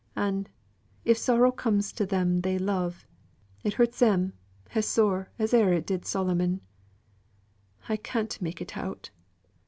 An' if sorrow comes to them they love, it hurts 'em as sore as e'er it did Solomon. I can't make it out.